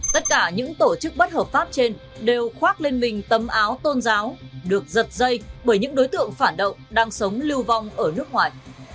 tất cả những tổ chức bất hợp pháp trên đều khoác lên mình tấm áo tôn giáo được giật dây bởi những đối tượng phản động đang sống lưu vong ở nước ngoài